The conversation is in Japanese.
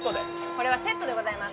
これはセットでございます